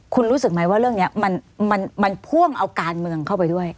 คุณรู้สึกไหมว่าเรื่องนี้มันพ่วงเอาการเมืองเข้าไปด้วย